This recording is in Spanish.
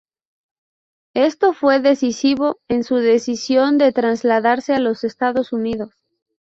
Esto fue decisivo en su decisión de trasladarse a los Estados Unidos.